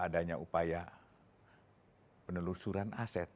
adanya upaya penelusuran aset